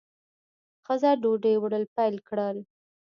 ښځه ډوډۍ وړل پیل کړل.